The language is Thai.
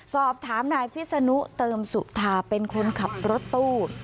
สอบถามนายพิศนุเติมสุธาเป็นคนขับรถตู้